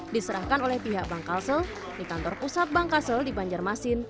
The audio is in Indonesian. diserahkan oleh pihak bank kalsel di kantor pusat bank kasel di banjarmasin